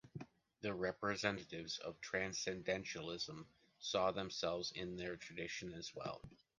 The representatives of transcendentalism saw themselves in their tradition as well.